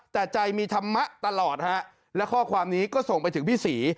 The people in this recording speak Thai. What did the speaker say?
แต่ใจมีธรรมะตลอดฮะและข้อความนี้ก็ส่งไปถึงพี่ศรี